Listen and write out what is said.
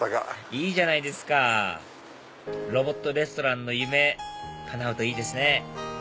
いいじゃないですかロボットレストランの夢かなうといいですね